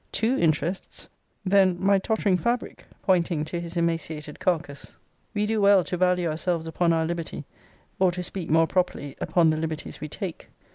Two interests! Then, my tottering fabric!' pointing to his emaciated carcass. We do well to value ourselves upon our liberty, or to speak more properly, upon the liberties we take.